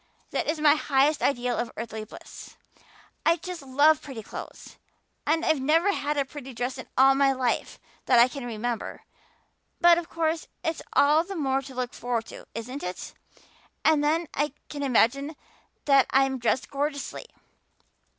That is my highest ideal of earthly bliss. I just love pretty clothes. And I've never had a pretty dress in my life that I can remember but of course it's all the more to look forward to, isn't it? And then I can imagine that I'm dressed gorgeously.